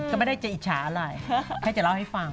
ก็ไม่ได้จะอิจฉาอะไรให้จะเล่าให้ฟัง